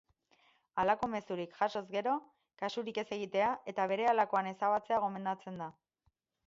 Halako mezurik jasoz gero, kasurik ez egitea eta berehalakoan ezabatzea gomendatzen da.